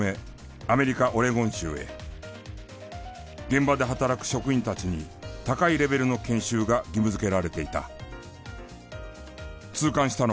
現場で働く職員たちに高いレベルの研修が義務づけられていた。